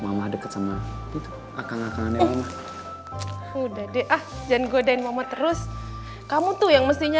mama deket sama itu akan akan udah deh ah jangan godain mama terus kamu tuh yang mestinya